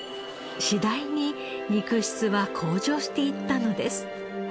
次第に肉質は向上していったのです。